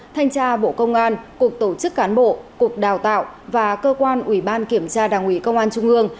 thanh tra bộ công an cục tổ chức cán bộ cục đào tạo và cơ quan ủy ban kiểm tra đảng ủy công an trung ương